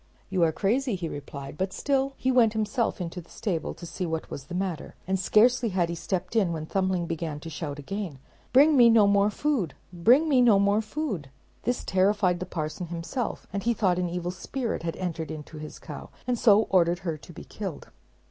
"You are crazy," he replied; but still he went himself into The stable to see what was the matter, and scarcely had he stepped in when Thumbling began to shout out again, "Bring me no more food, bring me no more food." This terrified the parson himself, and he thought an evil spirit had entered into his cow, and so ordered her to be killed.